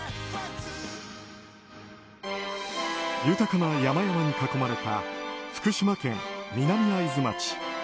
豊かな山々に囲まれた福島県南会津町。